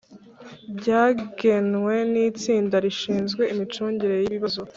byagenwe n Itsinda rishinzwe imicungire y ibibazo